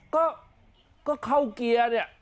ก็เข้าเกียร์เนี่ย